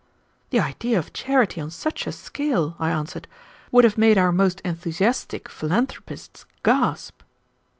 "The idea of charity on such a scale," I answered, "would have made our most enthusiastic philanthropists gasp."